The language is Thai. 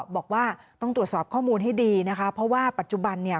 บอกว่าต้องตรวจสอบข้อมูลให้ดีนะคะเพราะว่าปัจจุบันเนี่ย